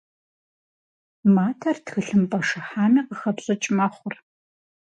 Матэр тхылъымпӏэ шыхьами къыхэпщӏыкӏ мэхъур.